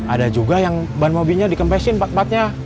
ada juga yang ban mobilnya dikempesin empat empatnya